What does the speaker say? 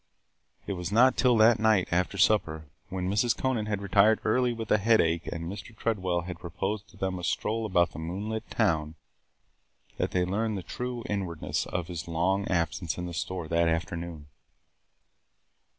It was not till that night after supper, when Mrs. Conant had retired early with a headache and Mr. Tredwell had proposed to them a stroll about the moonlit town, that they learned the true inwardness of his long absence in the store that afternoon.